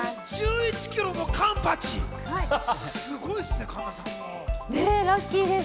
１１キロのカンパチ、すごいっすね、神田さん。